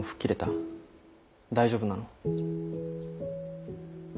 大丈夫なの？